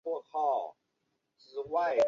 异方差是违反这个假设的。